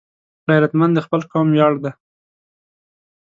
غیرتمند د خپل قوم ویاړ دی